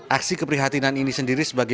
aksi keprihatinan ini sendiri sebagai